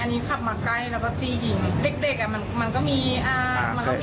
อันนี้ขับมาใกล้แล้วก็จี้ยิงเด็กเด็กอ่ะมันมันก็มีอ่ามันก็มี